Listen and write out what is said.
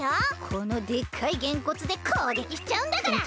このでっかいゲンコツでこうげきしちゃうんだから！